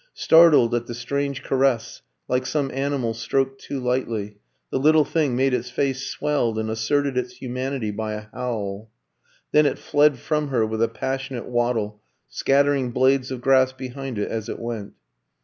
Startled at the strange caress, like some animal stroked too lightly, the little thing made its face swell, and asserted its humanity by a howl. Then it fled from her with a passionate waddle, scattering blades of grass behind it as it went.